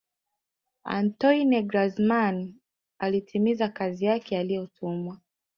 antoine grizman alitimiza kazi yake aliyotumwa